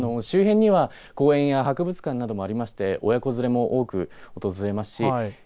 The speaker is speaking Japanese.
周辺には公園や博物館などもありまして親子連れも多く訪れますし